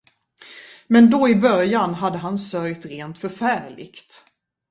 Men då i början hade han sörjt rent förfärligt.